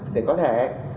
để có thể